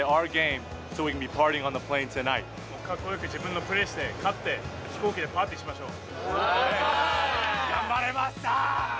かっこよく自分のプレーをして、勝って、飛行機でパーティーしましょう。